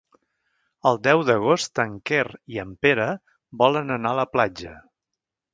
El deu d'agost en Quer i en Pere volen anar a la platja.